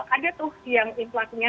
ada tuh yang inflasinya